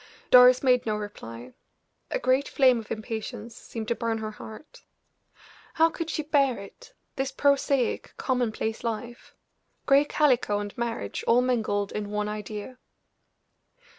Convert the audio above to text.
Doris made no reply; a great flame of impatience seemed to burn her heart. How could she bear it, this prosaic, commonplace life? Gray calico and marriage all mingled in one idea!